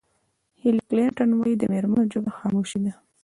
هېلري کلنټن وایي د مېرمنو ژبه خاموشي ده.